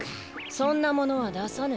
そんなものはださぬ。